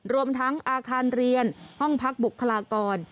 รวมทั้งอาคารเรียนห้องพักบุคลากร